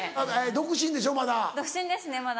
独身ですねまだ。